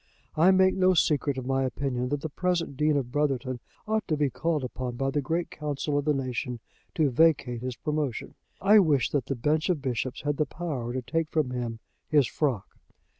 I make no secret of my opinion that the present Dean of Brotherton ought to be called upon by the great Council of the Nation to vacate his promotion. I wish that the bench of bishops had the power to take from him his frock.